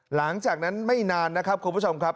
หลังจากนั้นไม่นานนะครับคุณผู้ชมครับ